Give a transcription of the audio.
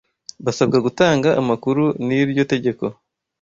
basabwa gutanga amakuru n’iryo tegeko